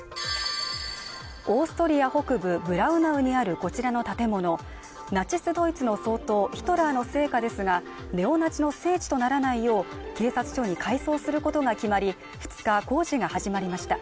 オーストリア北部ブラウナウにあるこちらの建物ナチスドイツの総統ヒトラーの生家ですが、ネオナチの聖地とならないよう、警察庁に改装することが決まり、２日工事が始まりました。